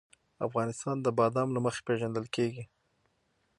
افغانستان د بادام له مخې پېژندل کېږي.